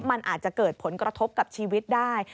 มันอาจจะเกิดผลกระทบกับชีวิตได้